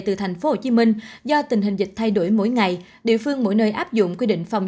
từ thành phố hồ chí minh do tình hình dịch thay đổi mỗi ngày địa phương mỗi nơi áp dụng quy định phòng